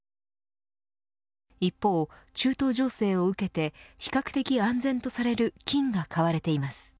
一方、中東情勢を受けて比較的安全とされる金が買われています。